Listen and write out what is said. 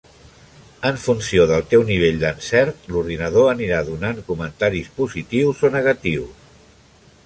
En funció del teu nivell d'encert, l'ordinador anirà donant comentaris positius o negatius.